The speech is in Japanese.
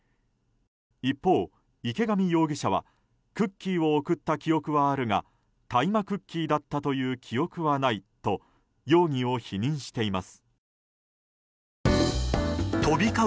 一方、池上容疑者はクッキーを送った記憶はあるが大麻クッキーだったという記憶はないと容疑を否認しています。